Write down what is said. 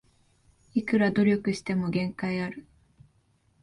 いくら努力しても限界ある